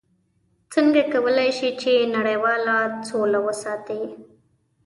څنګه کولی شي چې نړیواله سوله وساتي؟